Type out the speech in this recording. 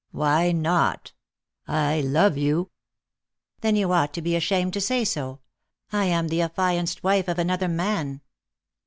"Why not? I love you." "Then you ought to be ashamed to say so. I am the affianced wife of another man."